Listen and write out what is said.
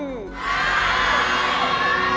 ได้ครับ